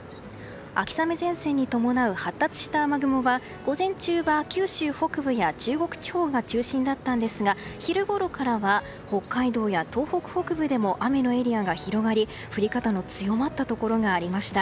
秋雨前線に伴う発達した雨雲は午前中は九州北部や中国地方が中心だったんですが昼ごろからは北海道や東北北部でも雨のエリアが広がり、降り方の強まったところがありました。